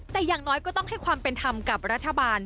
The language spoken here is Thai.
แต่อย่างน้อยก็ต้องให้ความเป็นธรรมกับรัฐบาล